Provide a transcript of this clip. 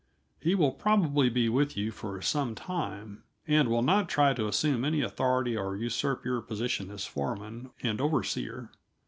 He will probably be with you for some time, and will not try to assume any authority or usurp your position as foreman and overseer.